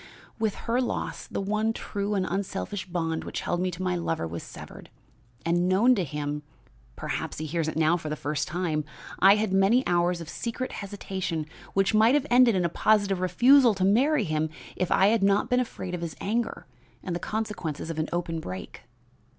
"With her loss the one true and unselfish bond which held me to my lover was severed, and, unknown to him (perhaps he hears it now for the first time) I had many hours of secret hesitation which might have ended in a positive refusal to marry him if I had not been afraid of his anger and the consequences of an open break.